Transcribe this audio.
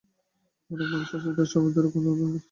অনেক মানুষ আছে যাদের স্বভাবে দু-রকম বুনোনির কাজ।